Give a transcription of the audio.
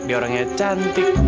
dia orang yang cantik